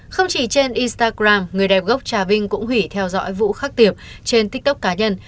không chỉ trên instagram người đẹp gốc trà vinh cũng hủy theo dõi vũ khắc tiệp trên tiktok cá nhân